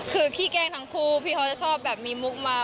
คือขี้แกล้งทั้งคู่พี่เขาจะชอบแบบมีมุกมา